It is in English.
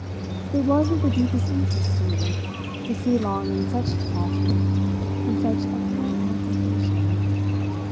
It was of the deepest interest to me to see Long in such detachment, in such apparent concentration.